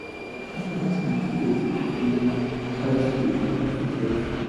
A pesar de su inocencia se le condena a diez años de trabajos forzados.